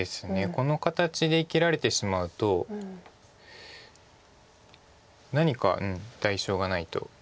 この形で生きられてしまうと何か代償がないと。